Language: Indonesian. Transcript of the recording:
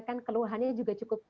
kan keluhannya juga cukup